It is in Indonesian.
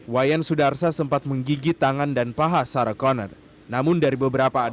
wayan sudarsa sempat menggigit tangan dan paha sarah connor